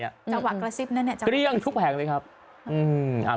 จังหวะกระซิบนั่นเนี่ยจังหวะกระซิบเรียงทุกแผงเลยครับอืมอ่า